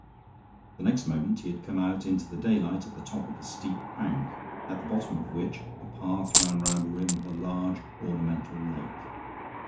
The next moment he had come out into the daylight at the top of a steep bank, at the bottom of which a path ran round the rim of a large ornamental lake.